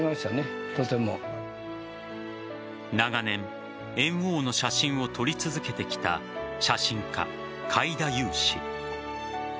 長年、猿翁の写真を撮り続けてきた写真家・海田悠氏。